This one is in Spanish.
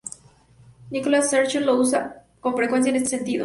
Nicolas Sarkozy lo usa con frecuencia en este sentido.